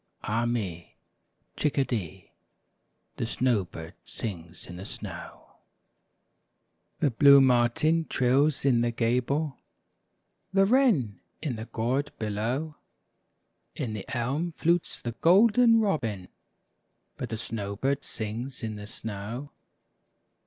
Ah me ! Chickadee ! The snow bird sings in the snow! 42 THE SNOW BIRD. 43 The blue martin trills in the gable, The wren, in the gourd below ; In the elm, flutes the golden robin. But the snow bird sings in the snow.